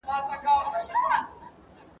آیا ملاله پېغله وه؟